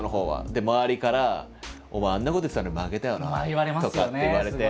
で周りから「お前あんなこと言ってたのに負けたよな」とかって言われて。